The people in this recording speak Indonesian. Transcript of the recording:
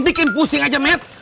bikin pusing aja met